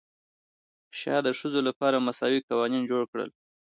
شاه د ښځو لپاره مساوي قوانین جوړ کړل.